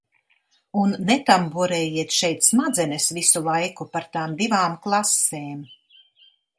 "Un "netamborējiet" šeit smadzenes visu laiku par tām divām klasēm!"